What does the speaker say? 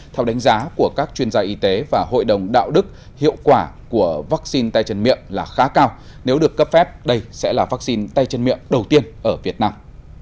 theo đánh giá của các chuyên gia y tế và hội đồng đạo đức hiệu quả của vaccine tay chân miệng là khá cao nếu được cấp phép đây sẽ là vaccine tay chân miệng đầu tiên ở việt nam